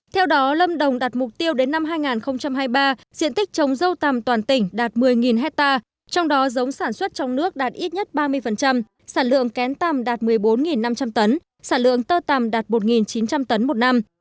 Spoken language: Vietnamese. theo đó lâm đồng đặt mục tiêu đến năm hai nghìn hai mươi ba diện tích chống dâu tầm toàn tỉnh đạt một mươi hectare trong đó giống sản xuất trong nước đạt ít nhất ba mươi sản lượng kén tầm đạt một mươi bốn năm trăm linh tấn sản lượng tơ tầm đạt một chín trăm linh tấn một năm